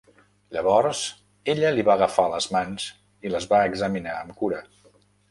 Llavors ella li va agafar les mans i les va examinar amb cura.